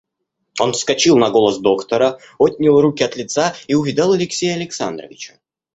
Он вскочил на голос доктора, отнял руки от лица и увидал Алексея Александровича.